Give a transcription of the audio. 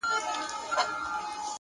عاجزي د حکمت ملګرې ده.